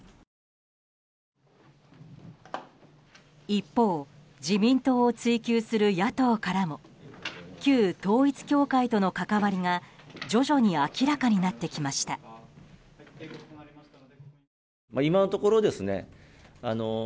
一方、自民党を追及する野党からも旧統一教会との関わりが徐々に明らかになってきました。